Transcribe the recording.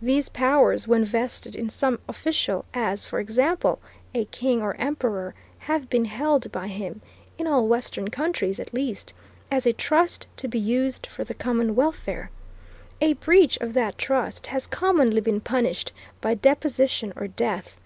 These powers, when vested in some official, as, for example, a king or emperor, have been held by him, in all Western countries at least, as a trust to be used for the common welfare. A breach of that trust has commonly been punished by deposition or death.